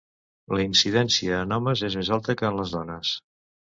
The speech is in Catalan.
La incidència en homes és més alta que en les dones.